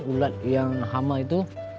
ulat yang hama itu